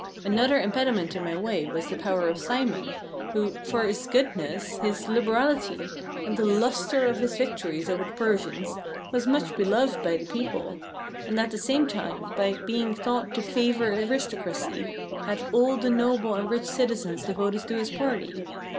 Another impediment in my way was the power of Cimon, who for his goodness, his liberality, and the lustre of his victories over the Persians was much beloved by the people, and at the same time, by being thought to favour aristocracy, had all the noble and rich citizens devoted to his party.